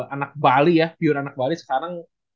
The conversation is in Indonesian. anak bali ya puyur anak bali sekarang